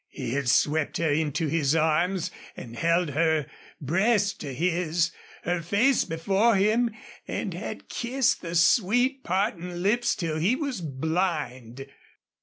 He had swept her into his arms and held her breast to his, her face before him, and he had kissed the sweet, parting lips till he was blind.